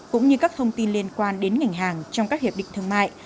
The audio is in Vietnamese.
cũng như các thông tin liên quan đến ngành hàng trong các hiệp định thương mại